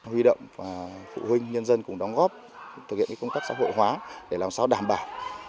huy động và phụ huynh nhân dân cùng đóng góp thực hiện công tác xã hội hóa để làm sao đảm bảo